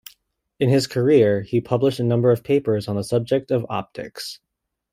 In his career, he published a number of papers on the subject of optics.